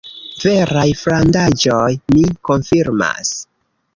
Veraj frandaĵoj, mi konfirmas.